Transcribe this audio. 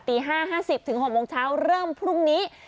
ตี๕๕๐๖โมงเช้าเริ่มพรุ่งนี้